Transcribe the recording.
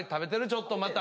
ちょっとまた。